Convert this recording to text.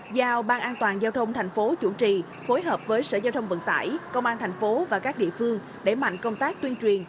giao ban an toàn giao thông thành phố chủ trì phối hợp với sở giao thông vận tải công an thành phố và các địa phương để mạnh công tác tuyên truyền